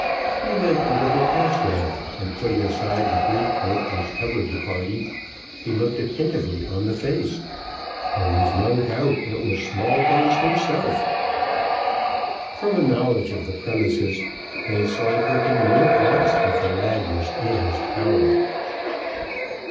He leant over the taffrail, and putting aside the great coat which covered the party, he looked attentively on the face there was no doubt it was Smallbones himself. From a knowledge of the premises, Vanslyperken knew at once that the lad was in his power.